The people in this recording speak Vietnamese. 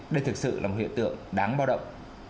đây thực sự là một hiện tượng đáng bao động